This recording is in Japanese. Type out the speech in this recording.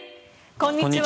こんにちは。